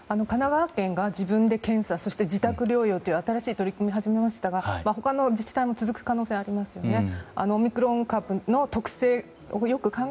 神奈川県が自分で検査そして自宅療養という新しい取り組みを始めましたが他の自治体も続く可能性ありますよね。